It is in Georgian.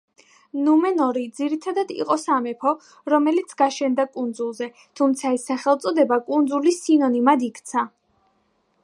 ნუმენორი ძირითადად იყო სამეფო, რომელიც გაშენდა კუნძულზე, თუმცა ეს სახელწოდება კუნძულის სინონიმად იქცა.